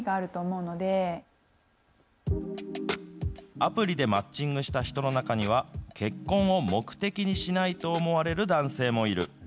アプリでマッチングした人の中には、結婚を目的にしないと思われる男性もいる。